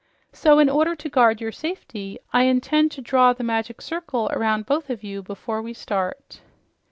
So in order to guard your safety, I intend to draw the Magic Circle around both of you before we start."